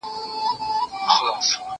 زه به سبا ليکلي پاڼي ترتيب کوم!!